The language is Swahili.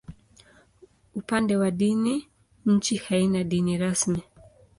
Upande wa dini, nchi haina dini rasmi.